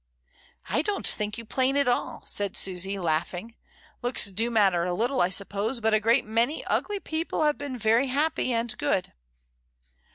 "I don't think you plain at all," said Susy laugh ing, "looks do matter a little, I suppose; but a great many ugly people have been very happy, and good.'